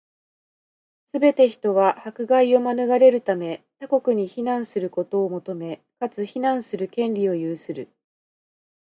すべて人は、迫害を免れるため、他国に避難することを求め、かつ、避難する権利を有する。